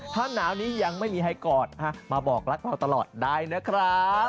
ถ้าหนาวนี้ยังไม่มีใครกอดมาบอกรักเราตลอดได้นะครับ